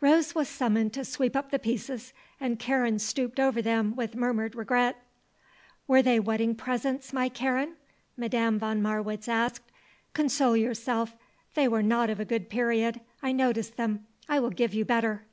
Rose was summoned to sweep up the pieces and Karen stooped over them with murmured regret. "Were they wedding presents, my Karen?" Madame von Marwitz asked. "Console yourself; they were not of a good period I noticed them. I will give you better."